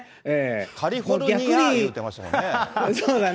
カリフォルニア言ってましたもんね。